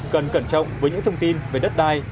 cần cẩn trọng với những thông tin về đất đai